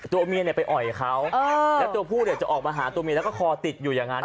ตัวเมียไปอ่อยเขาแล้วตัวผู้จะออกมาหาตัวเมียแล้วก็คอติดอยู่อย่างนั้น